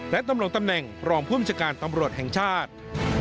และต้องลงตำแหน่งรองผู้มิจการตำรวจแห่งชาติ